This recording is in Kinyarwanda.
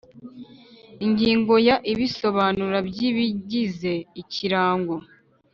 Ingingo ya Ibisobanuro by ibigize ikirango